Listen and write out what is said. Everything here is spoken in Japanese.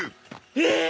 えっ！